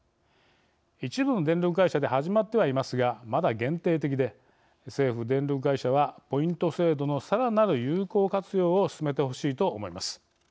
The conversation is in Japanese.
一部の電力会社で始まってはいますがまだ限定的で政府電力会社はポイント制度のさらなる有効活用を進めてほしいと思います。